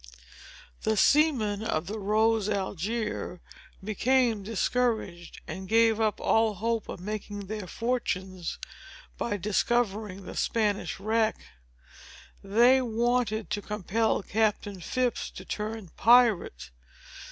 The seamen of the Rose Algier became discouraged, and gave up all hope of making their fortunes by discovering the Spanish wreck. They wanted to compel Captain Phips to turn pirate.